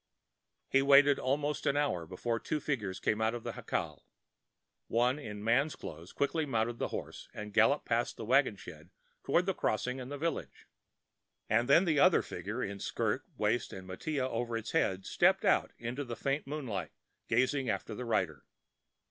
He waited almost an hour before two figures came out of the jacal. One, in man's clothes, quickly mounted the horse and galloped past the wagon shed toward the crossing and village. And then the other figure, in skirt, waist, and mantilla over its head, stepped out into the faint moonlight, gazing after the rider.